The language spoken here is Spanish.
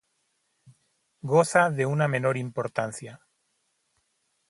Goza de una menor importancia.